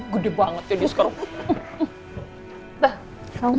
gede banget tuh dia sekarang